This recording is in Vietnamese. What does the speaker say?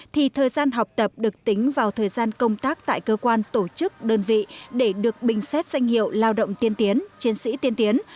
thì thời gian học tập được tính vào thời gian công tác tại cơ quan tổ chức đơn vị để được bình xét danh hiệu lao động tiên tiến chiến sĩ tiên tiến